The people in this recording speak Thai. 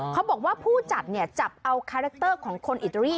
เขาบอกว่าผู้จัดเนี่ยจับเอาคาแรคเตอร์ของคนอิตาลี